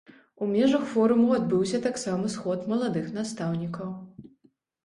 У межах форуму адбыўся таксама сход маладых настаўнікаў.